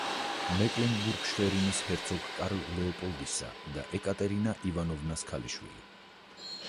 მეკლენბურგ-შვერინის ჰერცოგ კარლ ლეოპოლდისა და ეკატერინა ივანოვნას ქალიშვილი.